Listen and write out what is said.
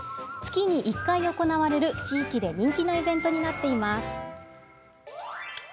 月に１回行われる、地域で人気のイベントになっています。